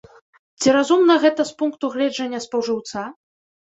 Ці разумна гэта з пункту гледжання спажыўца?